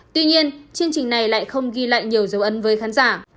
tuy nhiên chương trình này lại không ghi lại nhiều dấu ấn với khán giả